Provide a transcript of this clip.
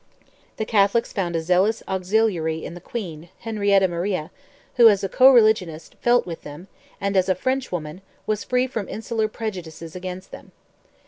The Catholics found a zealous auxiliary in the queen, Henrietta Maria, who, as a co religionist, felt with them, and, as a Frenchwoman, was free from insular prejudices against them.